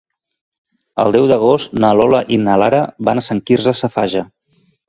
El deu d'agost na Lola i na Lara van a Sant Quirze Safaja.